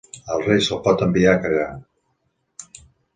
Al Rei se'l pot enviar a cagar.